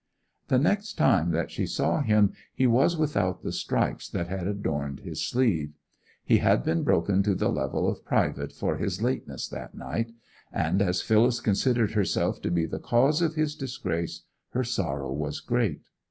The next time that she saw him he was without the stripes that had adorned his sleeve. He had been broken to the level of private for his lateness that night; and as Phyllis considered herself to be the cause of his disgrace her sorrow was great.